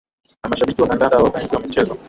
na mashabiki wa kandanda wapenzi wa michezo